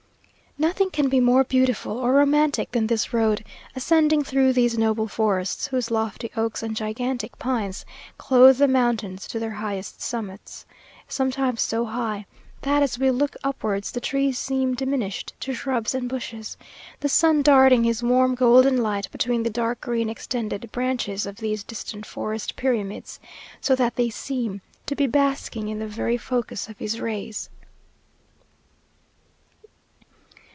Nothing can be more beautiful or romantic than this road, ascending through these noble forests, whose lofty oaks and gigantic pines clothe the mountains to their highest summits; sometimes so high, that, as we look upwards, the trees seem diminished to shrubs and bushes; the sun darting his warm, golden light between the dark green extended branches of these distant forest pyramids, so that they seem to be basking in the very focus of his rays.